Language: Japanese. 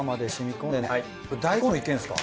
これ大根でもいけるんですか？